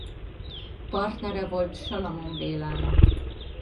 Partnere volt Salamon Bélának.